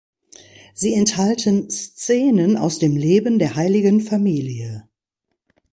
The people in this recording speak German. Sie enthalten Szenen aus dem Leben der Heiligen Familie.